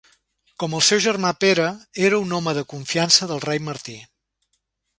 Com el seu germà Pere, era un home de confiança del rei Martí.